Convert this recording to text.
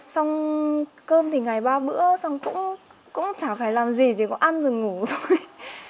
xong cơm thì ngày ba bữa xong cũng chả phải làm gì chỉ có ăn rồi ngủ thôi